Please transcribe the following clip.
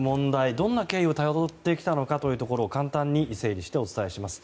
どんな経緯をたどってきたのかを簡単に整理してお伝えします。